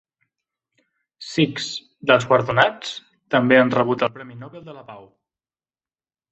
Six dels guardonats també han rebut el Premi Nobel de la Pau.